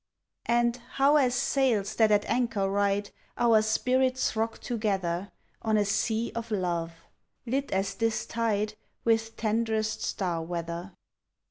And, how as sails that at anchor ride Our spirits rock together On a sea of love lit as this tide With tenderest star weather!